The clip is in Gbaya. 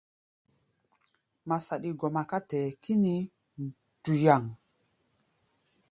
Ŋma saɗi gɔma ká tɛ-ɛ́ɛ́ kínií nduyaŋ.